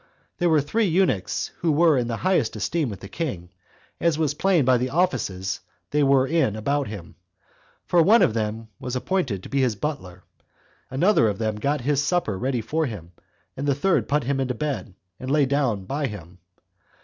There were three eunuchs who were in the highest esteem with the king, as was plain by the offices they were in about him; for one of them was appointed to be his butler, another of them got his supper ready for him, and the third put him into bed, and lay down by him.